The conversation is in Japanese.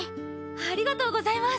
ありがとうございます。